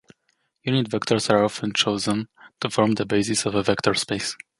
Unit vectors are often chosen to form the basis of a vector space.